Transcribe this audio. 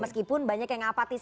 meskipun banyak yang apatis